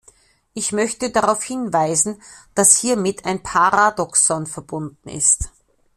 Ich möchte darauf hinweisen, dass hiermit ein Paradoxon verbunden ist.